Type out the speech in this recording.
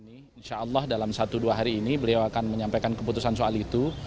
insya allah dalam satu dua hari ini beliau akan menyampaikan keputusan soal itu